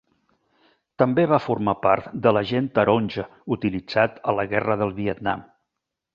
També va formar part de l'agent taronja utilitzat a la Guerra del Vietnam.